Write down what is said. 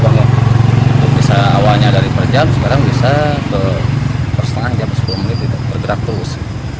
awalnya dari perjam sekarang bisa ke pertengahan jam sepuluh menit bergerak terus